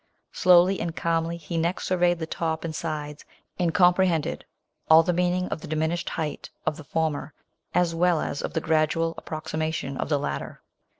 Slowly and calmly he next Mirxeyed the top ami Bides, and comprehended all the meaning of the diminished height of the former, as well as of the gradual approximation of the latter.